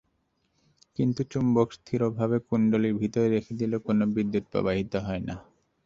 কিন্তু চুম্বক স্থিরভাবে কুণ্ডলীর ভেতর রেখে দিলে কোনো বিদ্যুৎ প্রবাহিত হয় না।